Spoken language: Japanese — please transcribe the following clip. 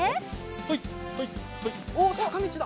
はいはいはいおっさかみちだ。